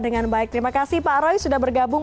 dengan baik terima kasih pak roy sudah bergabung